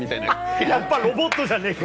やっぱロボットじゃねえか。